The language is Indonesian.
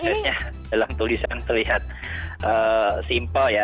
sebenarnya dalam tulisan terlihat simpel ya